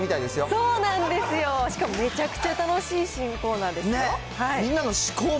そうなんですよ、しかもめちゃくちゃ楽しい新コーナーですよ。